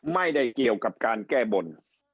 ไม่ได้เกี่ยวกับการแก้บน